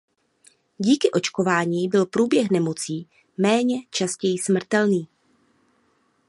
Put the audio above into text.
Díky očkování byl průběh nemocí méně častěji smrtelný.